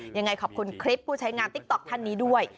ยังไงขอบคุณคลิปผู้ใช้งานติ๊กต๊อกท่านนี้ด้วย